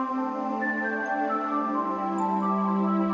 ชาวอันเร็วใหม่